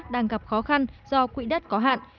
đang gặp khó khăn do quỹ đất có hạn